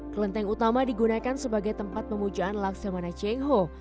kelenteng utama digunakan sebagai tempat pemujaan laksamana cengho